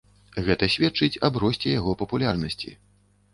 Гэта сведчыць аб росце яго папулярнасці.